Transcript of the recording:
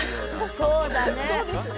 そうだね。